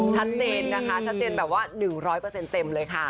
ชัดเจนนะคะชัดเจนแบบว่า๑๐๐เต็มเลยค่ะ